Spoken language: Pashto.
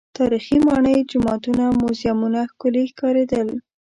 تاریخي ماڼۍ، جوماتونه، موزیمونه ښکلي ښکارېدل.